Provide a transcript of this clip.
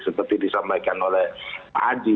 seperti disampaikan oleh pak haji